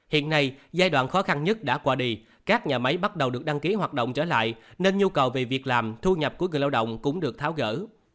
hiện nay giai đoạn khó khăn nhất đã qua đi các nhà máy bắt đầu được đăng ký hoạt động trở lại nên nhu cầu về việc làm thu nhập của người lao động cũng được tháo gỡ